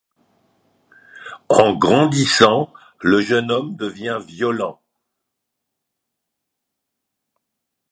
En grandissant, le jeune homme devient violent.